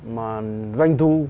mà doanh thu